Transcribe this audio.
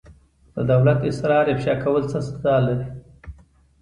د دولت اسرار افشا کول څه سزا لري؟